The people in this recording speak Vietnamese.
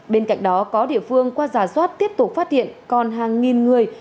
bên cạnh đó có địa phương qua giả soát tiếp tục phát hiện còn hàng nghìn người